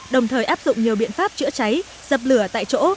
đồng thời áp dụng nhiều biện pháp chữa cháy dập lửa tại chỗ